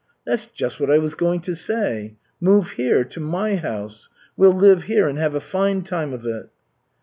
"That's just what I was going to say. Move here, to my house. We'll live here and have a fine time of it."